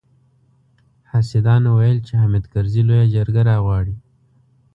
حاسدانو ويل چې حامد کرزي لويه جرګه راغواړي.